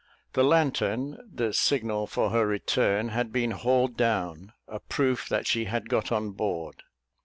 The lanthorn, the signal for her return, had been hauled down, a proof that she had got on board.